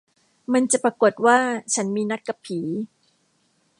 มันจะปรากฏว่าฉันมีนัดกับผี